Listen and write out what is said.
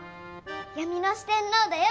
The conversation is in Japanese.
闇の四天王だよ！